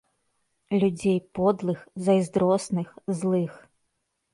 Людзей подлых, зайздросных, злых.